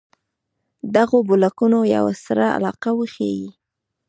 دغو بلاکونو یوه سره علاقه وښيي.